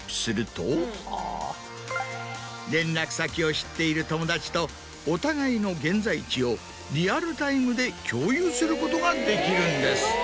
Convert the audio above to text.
連絡先を知っている友達とお互いの現在地をリアルタイムで共有することができるんです。